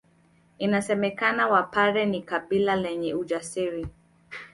Inasemekana Wapare ni kabila lenye ujasiri